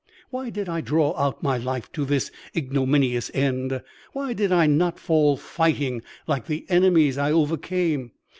Why did I draw out my life to this ignominious end? Why did I not fall fighting like the enemies I overcame?